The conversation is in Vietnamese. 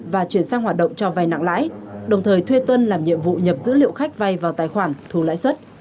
và chuyển sang hoạt động cho vai nặng lãi đồng thời thuê tuân làm nhiệm vụ nhập dữ liệu khách vay vào tài khoản thu lãi suất